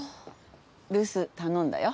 留守頼んだよ。